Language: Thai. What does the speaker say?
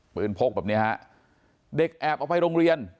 พกแบบนี้ฮะเด็กแอบเอาไปโรงเรียน